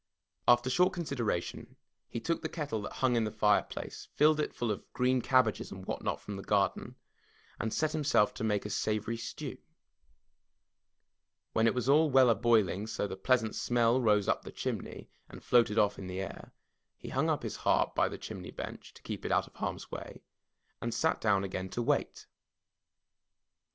After short consideration, he took the kettle that hung in the fireplace, filled it full of green cabbages and what not from the garden and set himself to make a savory stew. When 'R^^^%i?^^^^j^^8:^^«j^^^5^^5!^^^ 32 THE TREASURE CHEST it was all well a boiling so the pleasant smell rose up the chimney, and floated off in the air, he hung up his harp by the chimney bench to keep it out of harm's way, and sat down again to wait.